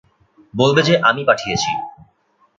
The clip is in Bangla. বলবে যে আমি পাঠিয়েছি।